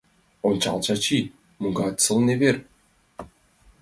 — Ончал, Чачи, могай сылне вер!